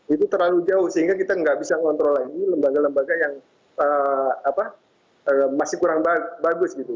itu terlalu jauh sehingga kita nggak bisa ngontrol lagi lembaga lembaga yang masih kurang bagus gitu